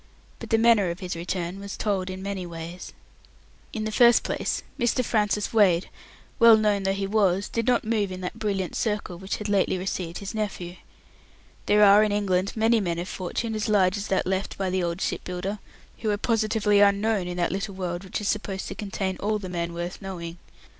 But the manner of his return was told in many ways. In the first place, Mr. Francis Wade, well known though he was, did not move in that brilliant circle which had lately received his nephew. There are in England many men of fortune, as large as that left by the old ship builder, who are positively unknown in that little world which is supposed to contain all the men worth knowing.